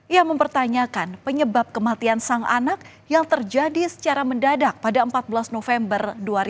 ia mempertanyakan penyebab kematian sang anak yang terjadi secara mendadak pada empat belas november